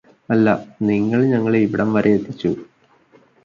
അല്ല നിങ്ങള് ഞങ്ങളെ ഇവിടം വരെ എത്തിച്ചു